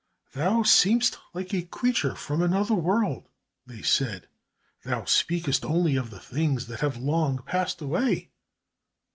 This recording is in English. "Thou seemest like a creature from another world," they said. "Thou speakest only of the things that have long passed away."